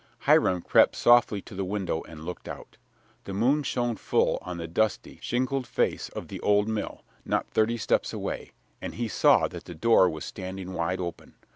Hiram crept softly to the window and looked out. The moon shone full on the dusty, shingled face of the old mill, not thirty steps away, and he saw that the door was standing wide open.